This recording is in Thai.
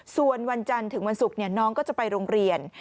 ส่วนวันจันทร์ถึงวันศุกร์น้องก็จะไปโรงเรียน